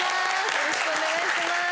よろしくお願いします。